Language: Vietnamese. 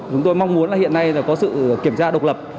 chúng tôi mong muốn hiện nay có sự kiểm tra độc lập